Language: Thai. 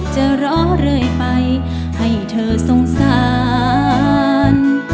จะรอเรื่อยไปให้เธอสงสาร